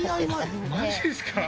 マジですか！？